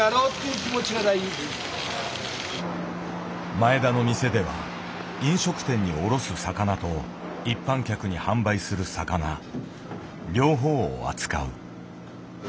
前田の店では飲食店に卸す魚と一般客に販売する魚両方を扱う。